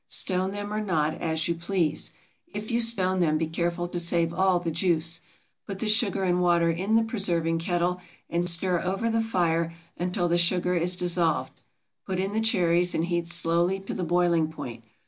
Stone them or not, as you please. If you stone them be careful to save all the juice. Put the sugar and water in the preserving kettle and stir over the fire until the sugar is dissolved. Put in the cherries and heat slowly to the boiling point.